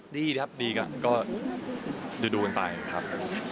ดีครับดีครับ